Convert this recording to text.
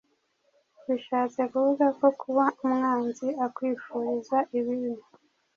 Bishatse kuvuga ko kuba umwanzi akwifuriza ibibi